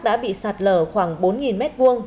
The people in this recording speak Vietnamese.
đã bị sạt lở khoảng bốn m hai